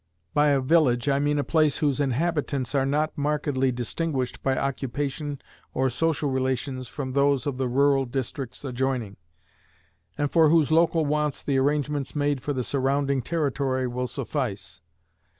By a village I mean a place whose inhabitants are not markedly distinguished by occupation or social relations from those of the rural districts adjoining, and for whose local wants the arrangements made for the surrounding territory will suffice.